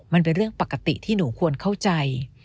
มันเป็นเรื่องปกติที่หนูควรเข้าใจ